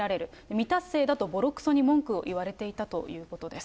未達成だとぼろくそに文句を言われていたということです。